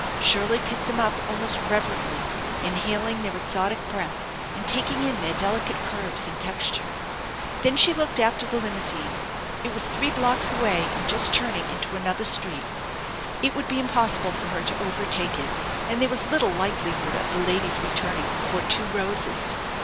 Shirley picked them up almost reverently, inhaling their exotic breath, and taking in theil delicate curves and texture. Then she looked after the limousine. It was three blocks away and just turning into another street. It would be impossible for her to overtake it, and there was little likelihood of the lady's returning for two roses.